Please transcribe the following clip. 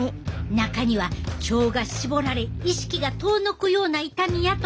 中には腸が絞られ意識が遠のくような痛みやと話す人もおるんよ。